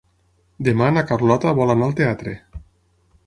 Demà na Carlota vol anar al teatre.